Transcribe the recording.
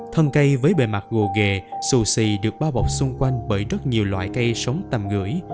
thân cây với bề mặt gồ ghề xù xì được bao bọc xung quanh bởi rất nhiều loại cây sống tầm gửi